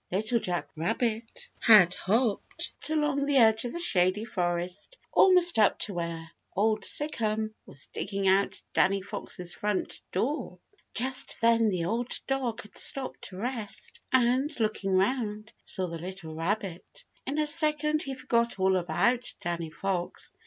Little Jack Rabbit had hopped along the edge of the Shady Forest almost up to where Old Sic'em was digging out Danny Fox's front door. Just then the old dog had stopped to rest and, looking around, saw the little rabbit. In a second he forgot all about Danny Fox.